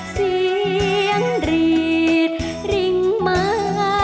เสียงรีดริ่งมา